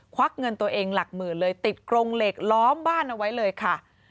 วักเงินตัวเองหลักหมื่นเลยติดกรงเหล็กล้อมบ้านเอาไว้เลยค่ะ